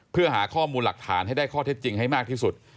เพื่อหาข้อมูลหลักฐานให้ได้ข้อเท็จจริงให้มากที่สุด